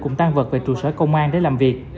cùng tan vật về trụ sở công an để làm việc